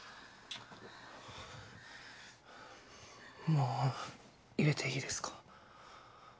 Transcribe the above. もう入れていいですか？